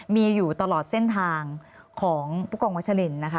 มีอยู่ตลอดเส้นทางของผู้กองวัชลินนะคะ